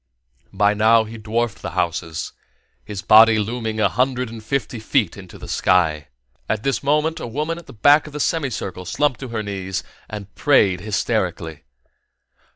By now he dwarfed the houses, his body looming a hundred and fifty feet into the sky. At this moment a woman back of the semicircle slumped to her knees and prayed hysterically.